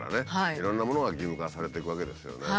いろんなものが義務化されていくわけですよね。